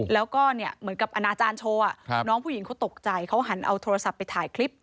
แล้วก็เหมือนกับอนาจารย์โชว์น้องผู้หญิงเขาตกใจเขาหันเอาโทรศัพท์ไปถ่ายคลิป